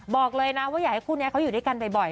บอกเลยนะว่าอยากให้คู่นี้เขาอยู่ด้วยกันบ่อย